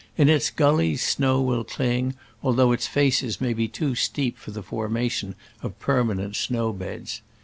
In its gullies snow will cling, although its faces may be too steep for the formation of permanent snow beds.